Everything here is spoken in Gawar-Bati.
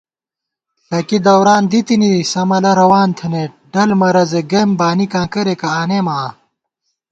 ݪَکی دوران دی تِنی، سَمَلہ روان تھنئیت، ڈل مرَضےگئیم بانِکاں کریَکہ آنېمہ آں